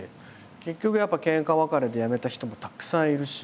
結局やっぱけんか別れで辞めた人もたくさんいるし。